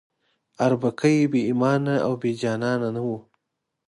اربکی بې ایمانه او بې جانانه نه وو.